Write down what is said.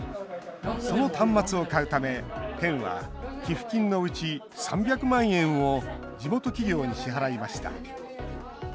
その端末を買うため県は寄付金のうち３００万円を地元企業に支払いました。